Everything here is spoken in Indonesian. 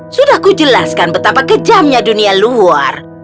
sudah ku jelaskan betapa kejamnya dunia luar